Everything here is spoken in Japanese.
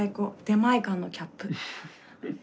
出前館のキャップ。